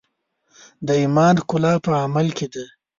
د ایمان ښکلا په عمل کې ده.